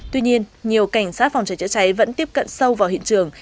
tuy nhiên nhiều cảnh sát phòng cháy chữa cháy vẫn tiếp cận sâu vào hiện trường